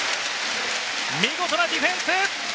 見事なディフェンス！